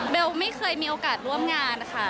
ไม่เคยมีโอกาสร่วมงานค่ะ